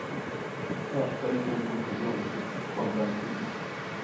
Er ist Zentrum und Regierungssitz von Ganzhou.